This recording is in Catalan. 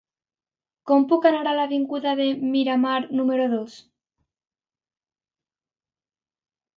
Com puc anar a l'avinguda de Miramar número dos?